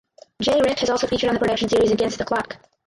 J Rick has also featured on the production series Against The Clock.